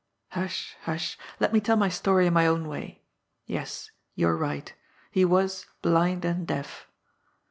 Hush, hush! let me tell my story in my own way. Yes, you are right, he was blind and deaf.